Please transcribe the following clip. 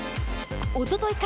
おととい